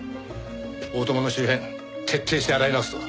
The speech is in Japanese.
大友の周辺徹底して洗い直すぞ！